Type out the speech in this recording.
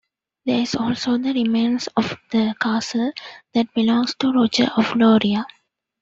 There is also the remains of the castle that belonged to Roger of Lauria.